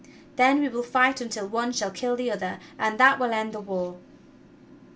Then we will fight until one shall kill the other, and that will end the war."